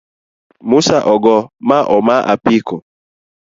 Musa ogo ma oma apiko